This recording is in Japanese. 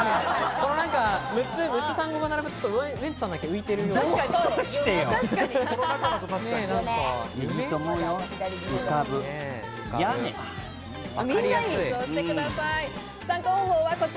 ６つ単語が並ぶと、ウエンツさんだけ浮いているような感じ。